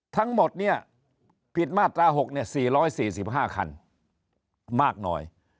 ทั้งหมดเนี่ยผิดมาตรา๖๔๔๕คันมากหน่อย